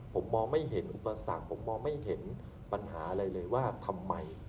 ผมมองไม่เห็นอุปสรรคผมมองไม่เห็นปัญหาอะไรเลยว่าทำไม